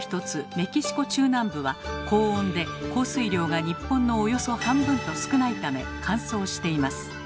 メキシコ中南部は高温で降水量が日本のおよそ半分と少ないため乾燥しています。